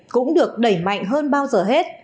cũng được đẩy mạnh hơn bao giờ hết